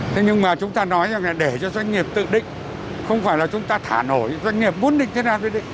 thế nhưng mà chúng ta nói rằng là để cho doanh nghiệp tự định không phải là chúng ta thả nổi doanh nghiệp muốn định thế nào quy định